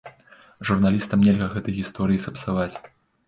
Журналістам нельга гэтай гісторыі сапсаваць.